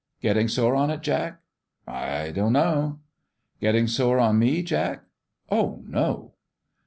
" Getting sore on it, Jack ?"" I don't know." " Getting sore on me, Jack?" " Oh, no